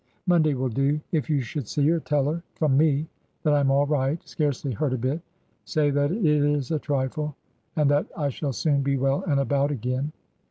" Monday will do. If you should see her, tell her — from me — that I'm all right — scarcely hurt a bit Say that it is a trifle, and that I shall soon be well and about ^ again."